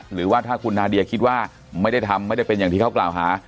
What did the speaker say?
หรือว่าถ้าคุณนาเดียคิดว่าไม่ได้ทำไม่ได้เป็นอย่างที่เขากล่าวหา